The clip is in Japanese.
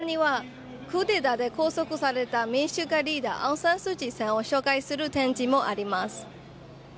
こちらにはクーデターで拘束された民主化リーダーアウンサンスーチーさんを紹介する展示もあります。